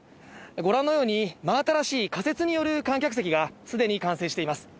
ご覧のように、真新しい仮設による観客席がすでに完成しています。